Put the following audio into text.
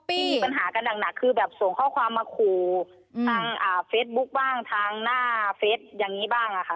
ที่มีปัญหากันหนักคือแบบส่งข้อความมาขู่ทางเฟซบุ๊คบ้างทางหน้าเฟสอย่างนี้บ้างค่ะ